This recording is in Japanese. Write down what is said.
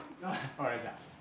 分かりました。